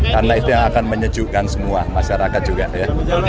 karena itu yang akan menyejukkan semua masyarakat juga ya